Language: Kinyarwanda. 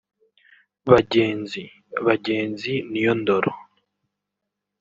Bagenzi (Bagenzi niyo ndoro